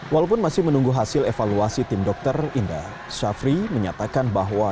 walaupun masih menunggu hasil evaluasi tim dokter indra syafri menyatakan bahwa